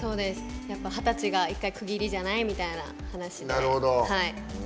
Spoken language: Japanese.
二十歳が一回、区切りじゃない？みたいな話で。